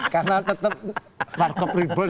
karena tetap parkop ribon